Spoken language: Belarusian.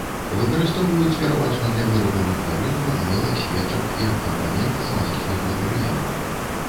Выкарыстоўваюць пераважна для вырабу маргарыну, мыла, свечак, як кампанент змазачных матэрыялаў.